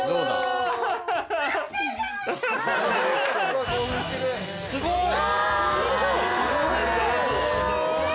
・すごい！